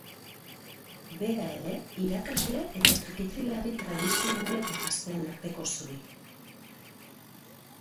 Bera ere irakasle eta trikitilari tradizional eta gazteen arteko zubi.